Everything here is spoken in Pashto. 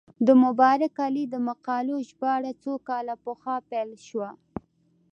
د مبارک علي د مقالو ژباړه څو کاله پخوا پیل شوه.